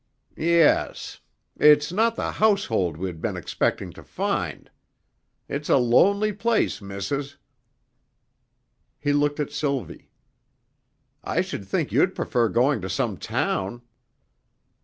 "Yes. It's not the household we'd been expecting to find. It's a lonely place, Missis." He looked at Sylvie. "I should think you'd prefer going to some town."